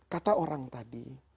kata orang tadi